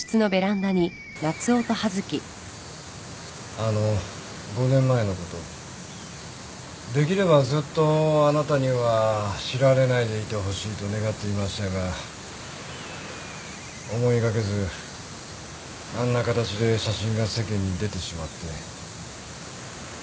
あの５年前のことできればずっとあなたには知られないでいてほしいと願っていましたが思いがけずあんな形で写真が世間に出てしまって。